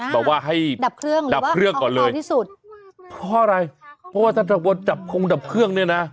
บอกว่าให้ดับเครื่องดับเครื่องก่อนเลยดีที่สุดเพราะอะไรเพราะว่าถ้าบนดับคงดับเครื่องเนี่ยนะ